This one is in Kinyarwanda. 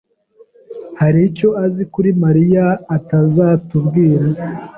hari icyo azi kuri Mariya atazatubwira.